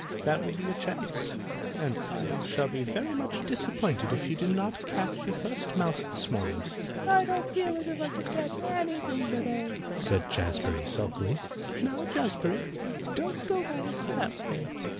That will be your chance, and I shall be very much disappointed if you do not catch your first mouse this morning." "I don't feel as if I could catch anything today," said Jazbury sulkily. "Now, Jazbury, don't go about it that way.